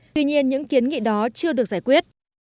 tuy nhiên những kiến nghị đó chưa được giải quyết